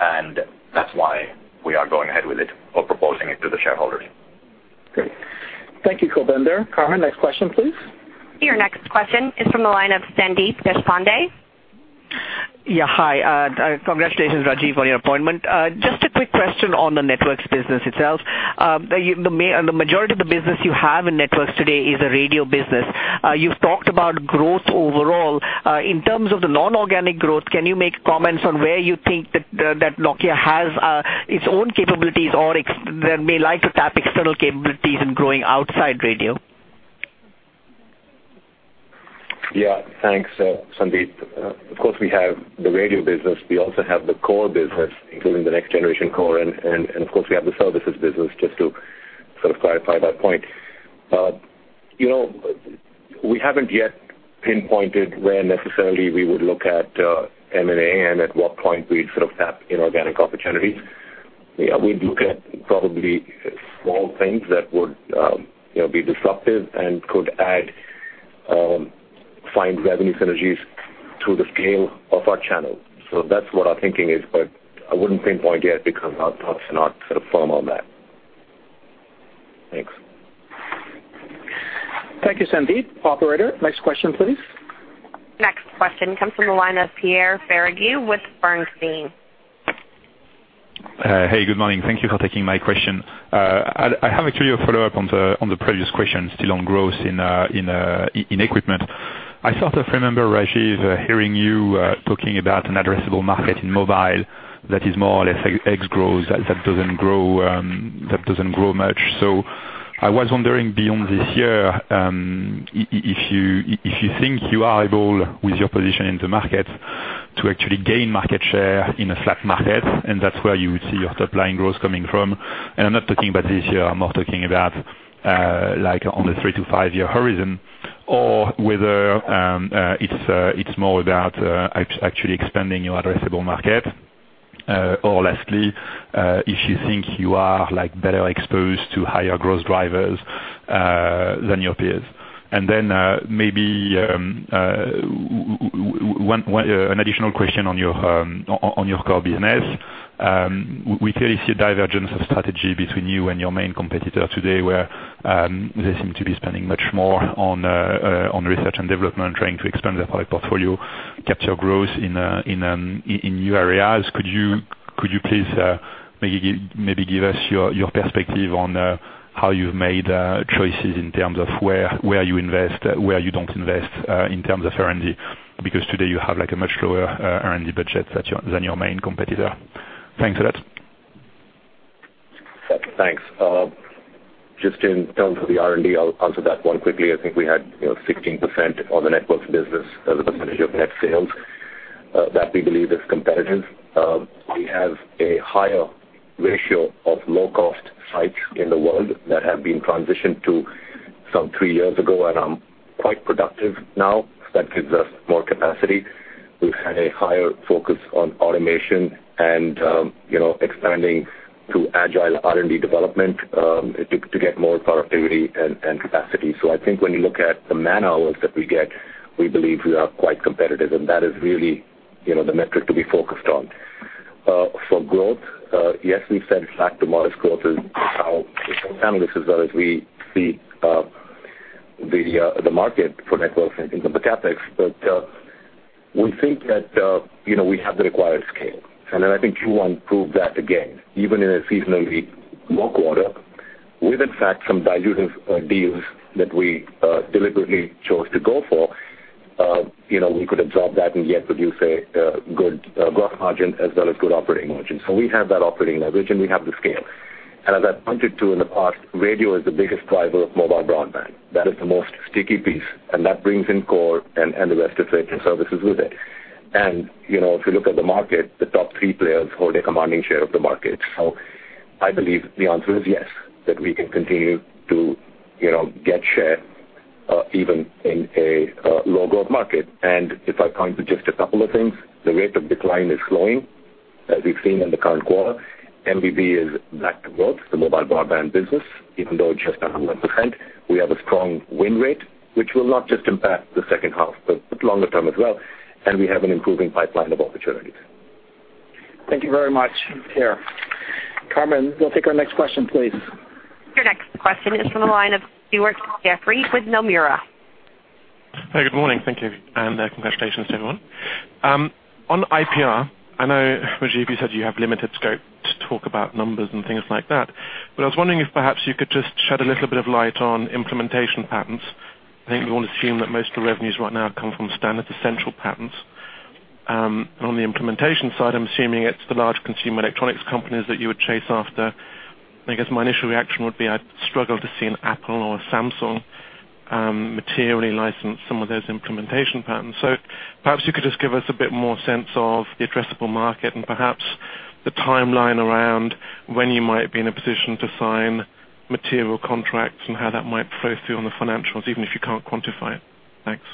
and that's why we are going ahead with it or proposing it to the shareholders. Great. Thank you, Kulbinder. Carmen, next question, please. Your next question is from the line of Sandeep Deshpande. Yeah, hi. Congratulations, Rajeev, on your appointment. Just a quick question on the networks business itself. The majority of the business you have in networks today is a radio business. You've talked about growth overall. In terms of the non-organic growth, can you make comments on where you think that that Nokia has its own capabilities or that may like to tap external capabilities in growing outside radio? Yeah, thanks, Sandeep. Of course, we have the radio business. We also have the core business, including the next generation core, and, of course, we have the services business, just to sort of clarify that point. You know, we haven't yet pinpointed where necessarily we would look at, M&A and at what point we'd sort of tap inorganic opportunities. Yeah, we'd look at probably small things that would, you know, be disruptive and could add, find revenue synergies through the scale of our channels. So that's what our thinking is, but I wouldn't pinpoint yet, because our thoughts are not sort of firm on that. Thanks. Thank you, Sandeep. Operator, next question, please. Next question comes from the line of Pierre Ferragu with Bernstein. Hey, good morning. Thank you for taking my question. I have actually a follow-up on the previous question, still on growth in equipment. I sort of remember, Rajeev, hearing you talking about an addressable market in mobile that is more or less like ex-growth, that doesn't grow much. So I was wondering, beyond this year, if you think you are able, with your position in the market, to actually gain market share in a flat market, and that's where you would see your top line growth coming from? And I'm not talking about this year, I'm more talking about, like, on the three to five-year horizon, or whether it's more about actually expanding your addressable market. Or lastly, if you think you are, like, better exposed to higher growth drivers than your peers. Then, maybe, one, an additional question on your core business. We clearly see a divergence of strategy between you and your main competitor today, where they seem to be spending much more on research and development, trying to expand their product portfolio, capture growth in new areas. Could you please, maybe give us your perspective on how you've made choices in terms of where you invest, where you don't invest, in terms of R&D? Because today you have, like, a much lower R&D budget than your main competitor. Thanks a lot. Thanks. Just in terms of the R&D, I'll answer that one quickly. I think we had, you know, 16% on the networks business as a percentage of net sales, that we believe is competitive. We have a higher ratio of low-cost sites in the world that have been transitioned to some three years ago and, quite productive now. That gives us more capacity. We've had a higher focus on automation and, you know, expanding through agile R&D development, to, to get more productivity and, and capacity. So I think when you look at the man hours that we get, we believe we are quite competitive, and that is really, you know, the metric to be focused on. For growth, yes, we've said flat to modest growth is how analysts as well as we see the market for networks and in the CapEx. But we think that, you know, we have the required scale, and I think Q1 proved that again, even in a seasonally low quarter, with in fact some dilutive deals that we deliberately chose to go for. You know, we could absorb that and yet produce a good growth margin as well as good operating margin. So we have that operating leverage, and we have the scale. And as I pointed to in the past, radio is the biggest driver of mobile broadband. That is the most sticky piece, and that brings in core and the rest of services with it. You know, if you look at the market, the top three players hold a commanding share of the market. So I believe the answer is yes, that we can continue to, you know, get share, even in a low-growth market. And if I point to just a couple of things, the rate of decline is slowing, as we've seen in the current quarter. MBB is back to growth, the mobile broadband business, even though just 1%, we have a strong win rate, which will not just impact the second half, but longer term as well, and we have an improving pipeline of opportunities. Thank you very much. Carmen, we'll take our next question, please. Your next question is from the line of Stuart Jeffrey with Nomura. Hi, good morning. Thank you, and congratulations to everyone. On IPR, I know, Rajeev, you said you have limited scope to talk about numbers and things like that, but I was wondering if perhaps you could just shed a little bit of light on implementation patents. I think we all assume that most of the revenues right now come from standard essential patents. On the implementation side, I'm assuming it's the large consumer electronics companies that you would chase after. I guess my initial reaction would be I'd struggle to see an Apple or a Samsung materially license some of those implementation patents. Perhaps you could just give us a bit more sense of the addressable market and perhaps the timeline around when you might be in a position to sign material contracts and how that might flow through on the financials, even if you can't quantify it. Thanks.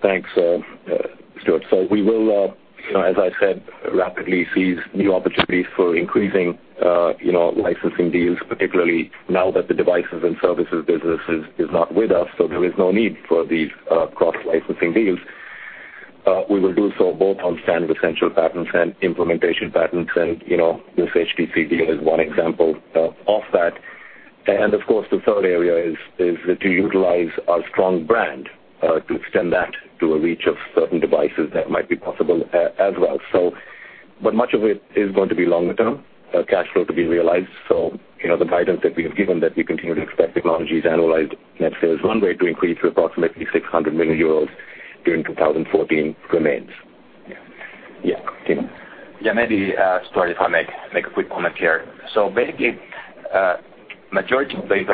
Thanks, Stuart. So we will, you know, as I said, rapidly seize new opportunities for increasing, you know, licensing deals, particularly now that the Devices and Services business is not with us, so there is no need for these cross-licensing deals. We will do so both on standard essential patents and implementation patents, and, you know, this HTC deal is one example of that. And of course, the third area is to utilize our strong brand to extend that to a reach of certain devices that might be possible as well. So but much of it is going to be longer term cash flow to be realized. So, you know, the guidance that we have given, that we continue to expect Nokia Technologies, annualized net sales run rate to increase to approximately 600 million euros during 2014 remains. Yeah. Yeah, Timo? Yeah, maybe, Stuart, if I make a quick comment here. So basically, majority of these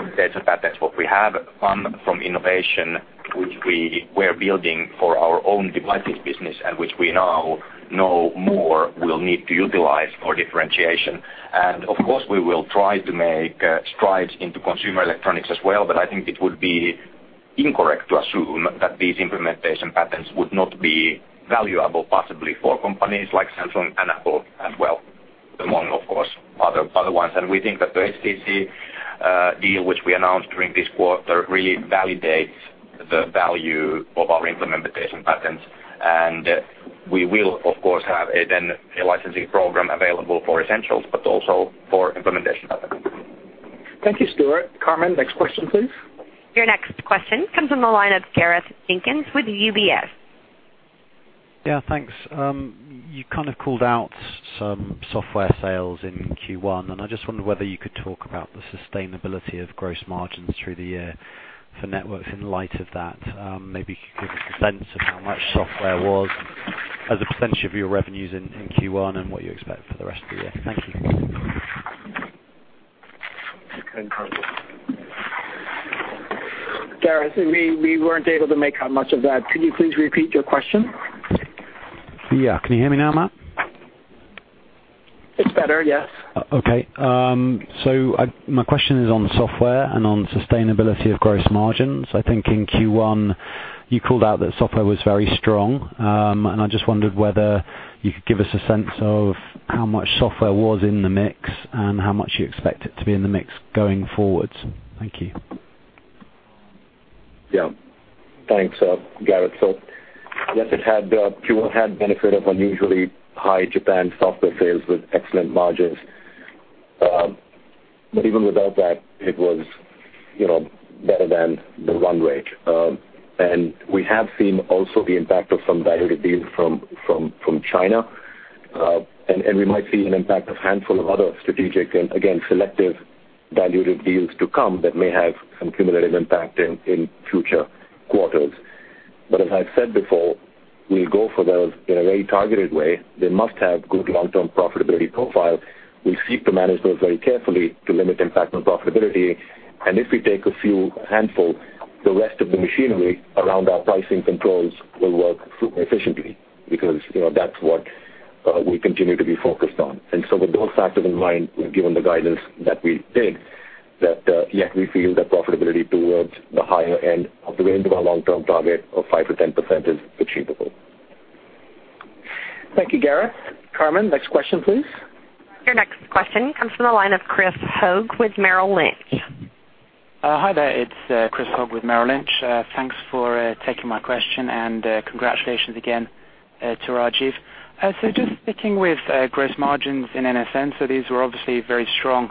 patents what we have come from innovation, which we were building for our own devices business and which we now know more will need to utilize for differentiation. And of course, we will try to make strides into consumer electronics as well, but I think it would be incorrect to assume that these implementation patents would not be valuable, possibly for companies like Samsung and Apple as well, among, of course, other ones. And we think that the HTC deal, which we announced during this quarter, really validates the value of our implementation patents. And we will, of course, have a then a licensing program available for essentials, but also for implementation patents. Thank you, Stuart. Carmen, next question, please. Your next question comes from the line of Gareth Jenkins with UBS. Yeah, thanks. You kind of called out some software sales in Q1, and I just wondered whether you could talk about the sustainability of gross margins through the year for networks in light of that. Maybe give us a sense of how much software was as a percentage of your revenues in Q1 and what you expect for the rest of the year. Thank you. You can go. Gareth, we weren't able to make out much of that. Can you please repeat your question? Yeah. Can you hear me now, Matt? It's better, yes. Okay, so my question is on software and on sustainability of gross margins. I think in Q1, you called out that software was very strong, and I just wondered whether you could give us a sense of how much software was in the mix and how much you expect it to be in the mix going forward. Thank you. Yeah. Thanks, Gareth. So yes, it had Q1 had benefit of unusually high Japan software sales with excellent margins. But even without that, it was, you know, better than the run rate. And we have seen also the impact of some dilutive deals from China, and we might see an impact, a handful of other strategic and again, selective dilutive deals to come that may have some cumulative impact in future quarters. But as I've said before, we go for those in a very targeted way. They must have good long-term profitability profile. We seek to manage those very carefully to limit impact on profitability. And if we take a few handful, the rest of the machinery around our pricing controls will work efficiently, because, you know, that's what we continue to be focused on. And so with those factors in mind, given the guidance that we take, that, yet we feel that profitability towards the higher end of the range of our long-term target of 5%-10% is achievable. Thank you, Gareth. Carmen, next question, please. Your next question comes from the line of Chris Ho with Merrill Lynch. Hi there, it's Chris Ho with Merrill Lynch. Thanks for taking my question, and congratulations again to Rajeev. So just sticking with gross margins in NSN, so these were obviously very strong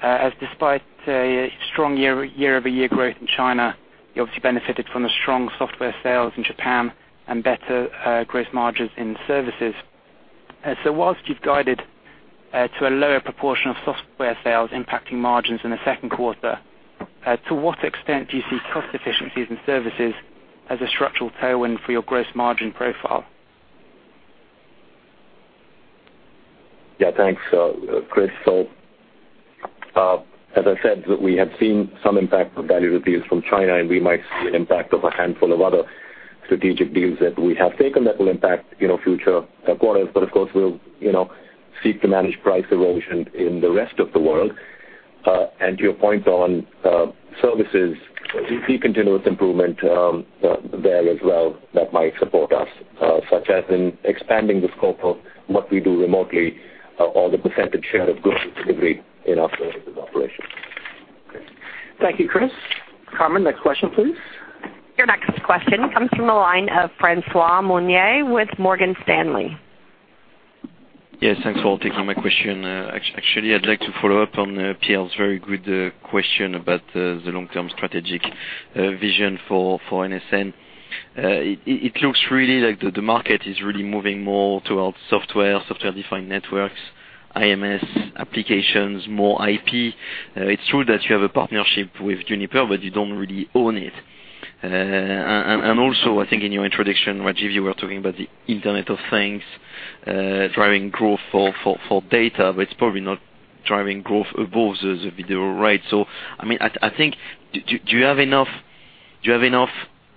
as despite a strong year-over-year growth in China, you obviously benefited from the strong software sales in Japan and better gross margins in services. And so while you've guided to a lower proportion of software sales impacting margins in the second quarter, to what extent do you see cost efficiencies and services as a structural tailwind for your gross margin profile? Yeah, thanks, Chris. So, as I said, we have seen some impact from value reviews from China, and we might see an impact of a handful of other strategic deals that we have taken that will impact, you know, future quarters. But of course, we'll, you know, seek to manage price erosion in the rest of the world. And to your point on services, we see continuous improvement there as well that might support us, such as in expanding the scope of what we do remotely or the percentage share of goods delivered in our services operation. Thank you, Chris. Carmen, next question, please. Your next question comes from the line of Francois Meunier with Morgan Stanley. Yes, thanks for taking my question. Actually, I'd like to follow up on Pierre's very good question about the long-term strategic vision for NSN. It looks really like the market is really moving more towards software, software-defined networks, IMS applications, more IP. It's true that you have a partnership with Juniper, but you don't really own it. And also, I think in your introduction, Rajeev, you were talking about the Internet of Things driving growth for data, but it's probably not driving growth above the video rate. So, I mean, I think, do you have enough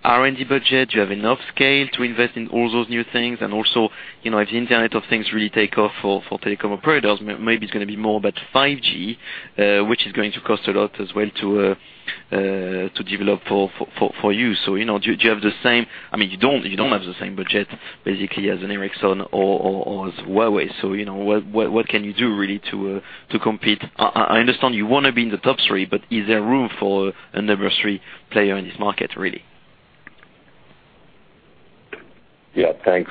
R&D budget? Do you have enough scale to invest in all those new things? And also, you know, if the Internet of Things really take off for telecom operators, maybe it's going to be more about 5G, which is going to cost a lot as well to develop for you. So, you know, do you have the same... I mean, you don't have the same budget basically as an Ericsson or as Huawei. So, you know, what can you do really to compete? I understand you want to be in the top three, but is there room for a number three player in this market, really? Yeah, thanks,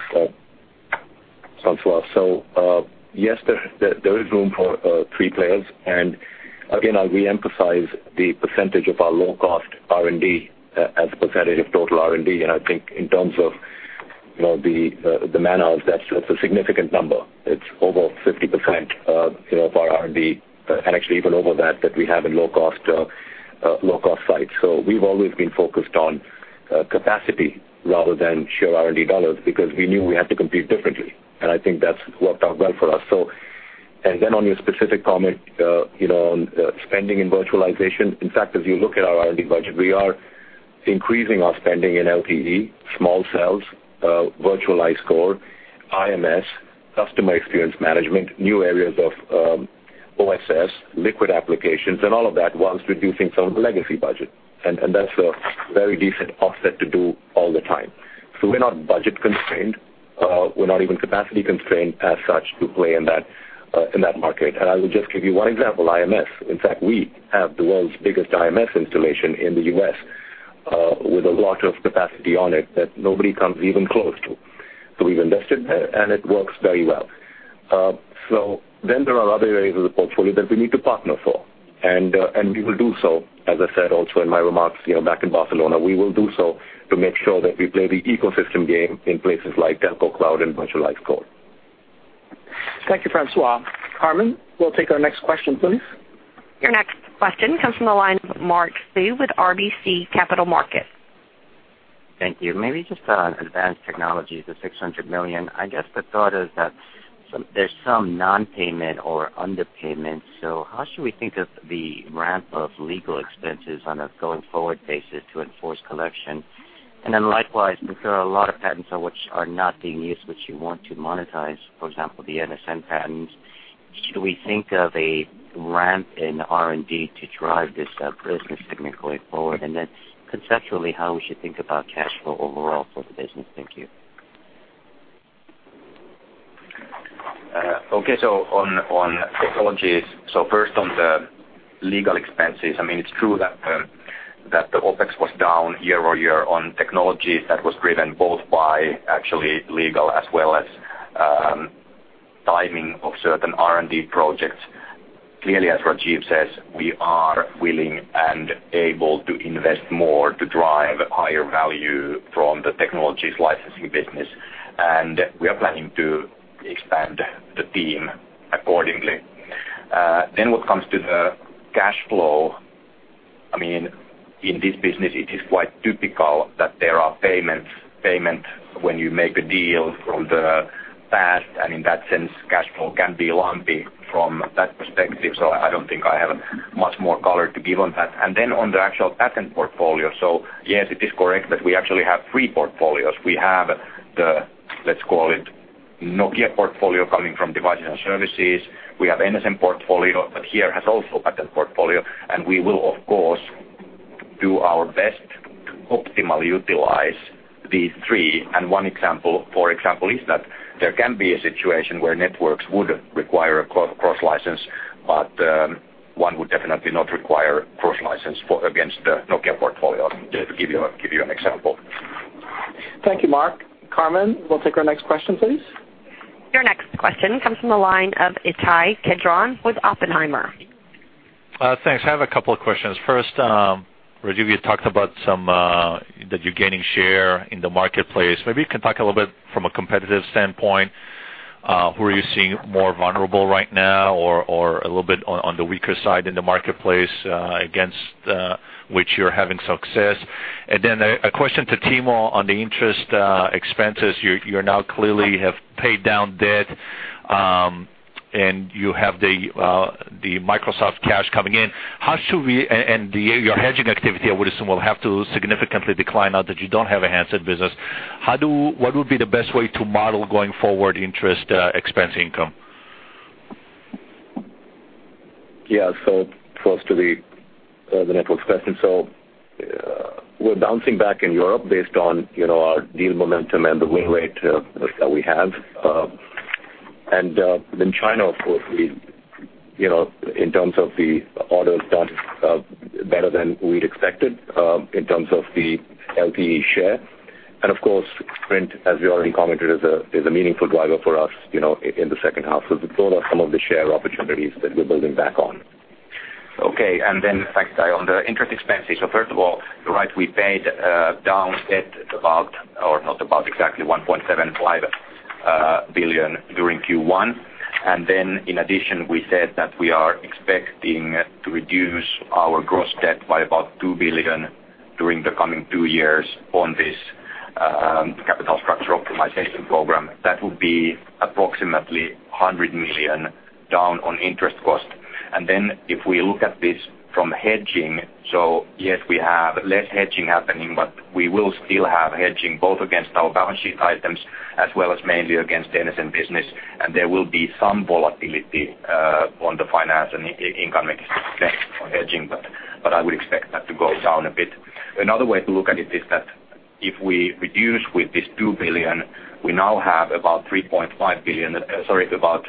François. So, yes, there, there is room for three players. And again, I reemphasize the percentage of our low-cost R&D as a percentage of total R&D. And I think in terms of, you know, the man-hours, that's a significant number. It's over 50%, you know, of our R&D, and actually even over that that we have in low-cost sites. So we've always been focused on capacity rather than share R&D dollars, because we knew we had to compete differently, and I think that's worked out well for us. And then on your specific comment, you know, on spending in virtualization, in fact, as you look at our R&D budget, we are increasing our spending in LTE, small cells, virtualized core, IMS, Customer Experience Management, new areas of OSS, Liquid Applications, and all of that whilst reducing some of the legacy budget. And that's a very decent offset to do all the time. So we're not budget constrained. We're not even capacity constrained as such to play in that market. And I will just give you one example, IMS. In fact, we have the world's biggest IMS installation in the U.S., with a lot of capacity on it that nobody comes even close to. So we've invested, and it works very well. So then there are other areas of the portfolio that we need to partner for, and we will do so. As I said, also in my remarks, you know, back in Barcelona, you know, back in Barcelona, we will do so to make sure that we play the ecosystem game in places like Telco Cloud and virtualized core. Thank you, Francois. Carmen, we'll take our next question, please. Your next question comes from the line of Mark Sue with RBC Capital Markets. Thank you. Maybe just on advanced technologies, the 600 million. I guess the thought is that some, there's some non-payment or underpayment, so how should we think of the ramp of legal expenses on a going-forward basis to enforce collection? And then likewise, because there are a lot of patents which are not being used, which you want to monetize, for example, the NSN patents, should we think of a ramp in R&D to drive this business significantly forward? And then conceptually, how we should think about cash flow overall for the business? Thank you. Okay, so on technologies, so first on the legal expenses, I mean, it's true that the OpEx was down year-over-year on technologies. That was driven both by actually legal as well as timing of certain R&D projects. Clearly, as Rajeev says, we are willing and able to invest more to drive higher value from the technologies licensing business, and we are planning to expand the team accordingly. Then when it comes to the cash flow, I mean, in this business it is quite typical that there are payments, payment when you make a deal from the past, and in that sense, cash flow can be lumpy from that perspective. So I don't think I have much more color to give on that. And then on the actual patent portfolio, so yes, it is correct that we actually have three portfolios. We have the, let's call it, Nokia portfolio coming from Devices and Services. We have NSN portfolio, but HERE has also a patent portfolio, and we will, of course, do our best to optimally utilize these three. One example, for example, is that there can be a situation where networks would require a cross-license, but one would definitely not require cross-license for against the Nokia portfolio, just to give you, give you an example. Thank you, Mark. Carmen, we'll take our next question, please. Your next question comes from the line of Ittai Kidron with Oppenheimer.... Thanks. I have a couple of questions. First, Rajeev, you talked about some that you're gaining share in the marketplace. Maybe you can talk a little bit from a competitive standpoint, who are you seeing more vulnerable right now, or a little bit on the weaker side in the marketplace against which you're having success? And then a question to Timo on the interest expenses. You're now clearly have paid down debt, and you have the Microsoft cash coming in. How should we-- And the your hedging activity, I would assume, will have to significantly decline now that you don't have a handset business. How do-- What would be the best way to model going forward, interest expense income? Yeah. So first to the network question. So, we're bouncing back in Europe based on, you know, our deal momentum and the win rate that we have. And in China, of course, we, you know, in terms of the orders done, better than we'd expected, in terms of the LTE share. And of course, Sprint, as we already commented, is a meaningful driver for us, you know, in the second half. So those are some of the share opportunities that we're building back on. Okay, and then, in fact, on the interest expenses. So first of all, right, we paid down debt about, or not about, exactly 1.75 billion during Q1. And then in addition, we said that we are expecting to reduce our gross debt by about 2 billion during the coming two years on this capital structure optimization program. That would be approximately 100 million down on interest cost. And then, if we look at this from hedging, so yes, we have less hedging happening, but we will still have hedging both against our balance sheet items as well as mainly against the NSN business. And there will be some volatility on the finance and in-income statement on hedging, but I would expect that to go down a bit. Another way to look at it is that if we reduce with this 2 billion, we now have about 3.5 billion, sorry, about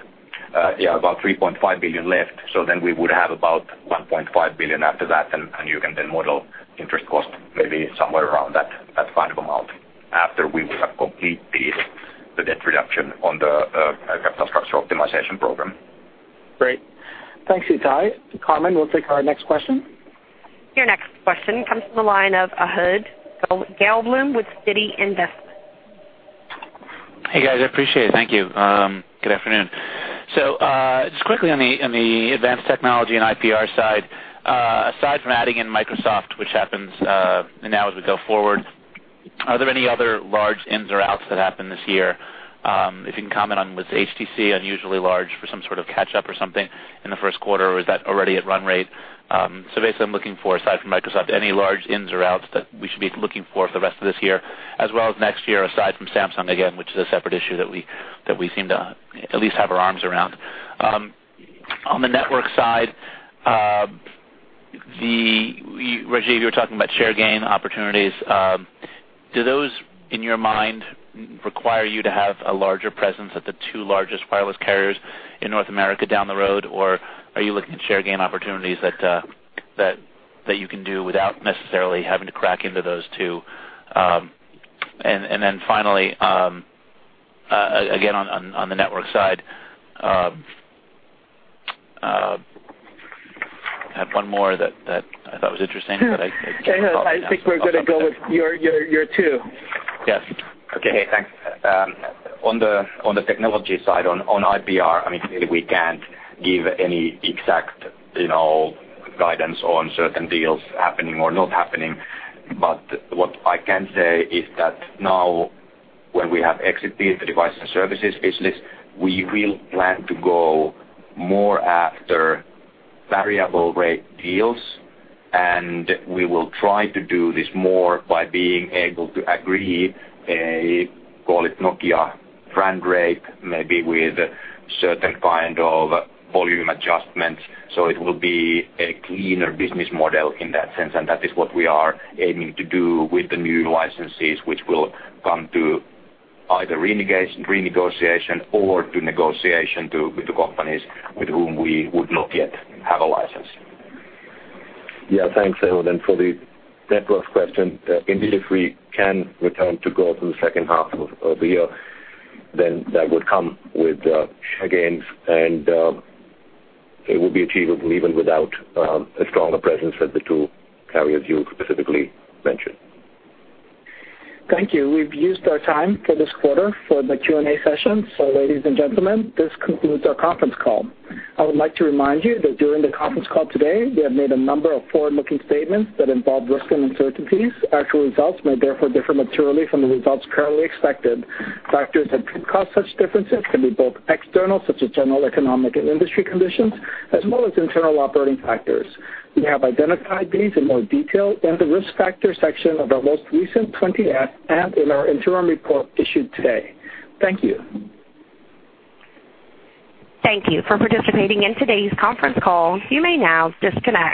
3.5 billion left. So then we would have about 1.5 billion after that, and you can then model interest cost maybe somewhere around that kind of amount, after we will have complete the debt reduction on the capital structure optimization program. Great. Thanks, Ittai. Carmen, we'll take our next question. Your next question comes from the line of Ehud Gelblum with Citi. Hey, guys. I appreciate it. Thank you. Good afternoon. So, just quickly on the advanced technology and IPR side, aside from adding in Microsoft, which happens now as we go forward, are there any other large ins or outs that happen this year? If you can comment on, was HTC unusually large for some sort of catch up or something in the first quarter, or is that already at run rate? So basically, I'm looking for, aside from Microsoft, any large ins or outs that we should be looking for for the rest of this year as well as next year, aside from Samsung again, which is a separate issue that we, that we seem to at least have our arms around. On the network side, the... Rajeev, you were talking about share gain opportunities. Do those, in your mind, require you to have a larger presence at the two largest wireless carriers in North America down the road? Or are you looking at share gain opportunities that you can do without necessarily having to crack into those two? And then finally, again, on the network side, I had one more that I thought was interesting, but I- I think we're gonna go with your two. Yes. Okay, thanks. On the technology side, on IPR, I mean, clearly, we can't give any exact, you know, guidance on certain deals happening or not happening. But what I can say is that now, when we have exited the device and services business, we will plan to go more after variable rate deals, and we will try to do this more by being able to agree a, call it Nokia brand rate, maybe with certain kind of volume adjustments. So it will be a cleaner business model in that sense, and that is what we are aiming to do with the new licenses, which will come to either renegotiation or to negotiation with the companies with whom we would not yet have a license. Yeah. Thanks, Ehud, and for the network question, indeed, if we can return to growth in the second half of the year, then that would come with share gains, and it will be achievable even without a stronger presence at the two carriers you specifically mentioned. Thank you. We've used our time for this quarter for the Q&A session. Ladies and gentlemen, this concludes our conference call. I would like to remind you that during the conference call today, we have made a number of forward-looking statements that involve risks and uncertainties. Actual results may therefore differ materially from the results currently expected. Factors that could cause such differences can be both external, such as general economic and industry conditions, as well as internal operating factors. We have identified these in more detail in the Risk Factors section of our most recent 20-F and in our interim report issued today. Thank you. Thank you for participating in today's conference call. You may now disconnect.